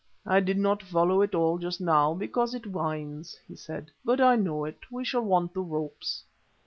"I did not follow it all just now, because it winds," he said. "But I know it. We shall want the ropes."